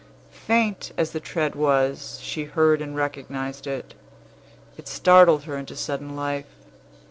Faint as the tread was, she heard and recognized it. It startled her into sudden life.